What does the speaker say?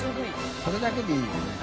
これだけでいいよね。